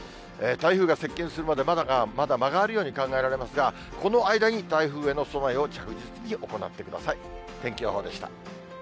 台風が接近するまでまだ間があるように考えられますが、この間に台風への備えを着実に行ってください。